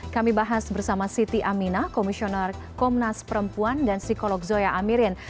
kami bahas bersama siti aminah komisioner komnas perempuan dan psikolog zoya amirin